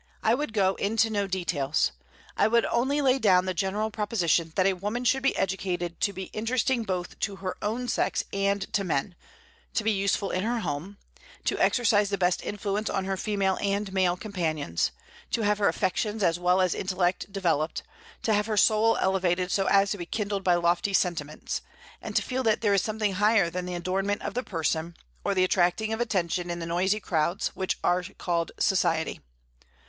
I would go into no details; I would only lay down the general proposition that a woman should be educated to be interesting both to her own sex and to men; to be useful in her home; to exercise the best influence on her female and male companions; to have her affections as well as intellect developed; to have her soul elevated so as to be kindled by lofty sentiments, and to feel that there is something higher than the adornment of the person, or the attracting of attention in those noisy crowds which are called society.